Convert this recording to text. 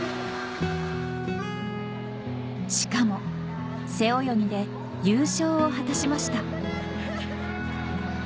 しかも背泳ぎで優勝を果たしました